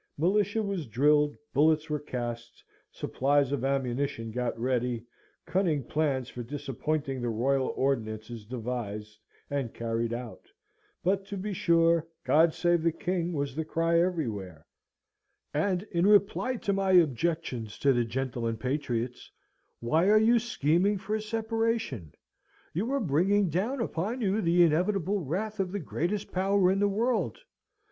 Militia was drilled, bullets were cast, supplies of ammunition got ready, cunning plans for disappointing the royal ordinances devised and carried out; but, to be sure, "God save the King" was the cry everywhere, and in reply to my objections to the gentlemen patriots, "Why, you are scheming for a separation; you are bringing down upon you the inevitable wrath of the greatest power in the world!"